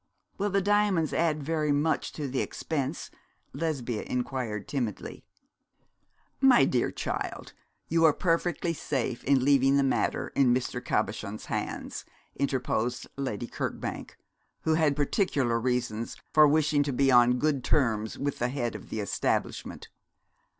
'Will the diamonds add very much to the expense?' Lesbia inquired, timidly. 'My dear child, you are perfectly safe in leaving the matter in Mr. Cabochon's hands,' interposed Lady Kirkbank, who had particular reasons for wishing to be on good terms with the head of the establishment.